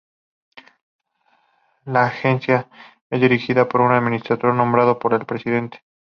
La agencia es dirigida por un administrador nombrado por el presidente.